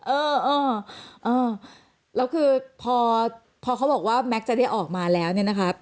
เออเออแล้วคือพอเขาบอกว่าแม็กซ์จะได้ออกมาแล้วเนี่ยนะคะ